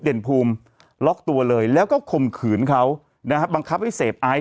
ภูมิล็อกตัวเลยแล้วก็ข่มขืนเขานะครับบังคับให้เสพไอซ